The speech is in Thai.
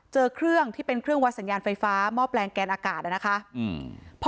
เจอเครื่องที่เป็นเครื่องวัดสัญญาณไฟฟ้าหม้อแปลงแกนอากาศอ่ะนะคะอืม